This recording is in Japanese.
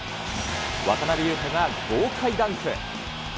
渡邊雄太が豪快ダンク。